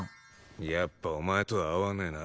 やっぱお前とは合わねえな。